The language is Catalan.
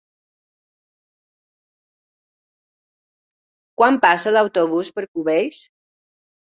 Quan passa l'autobús per Cubells?